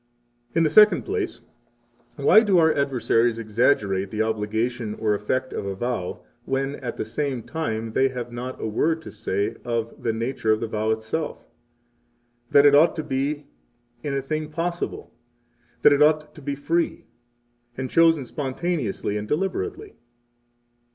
] 27 In the second place, why do our adversaries exaggerate the obligation or effect of a vow when, at the same time, they have not a word to say of the nature of the vow itself, that it ought to be in a thing possible, that it ought to be free, 28 and chosen spontaneously and deliberately?